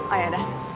oh ya udah